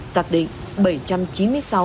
xác định bảy trăm chín mươi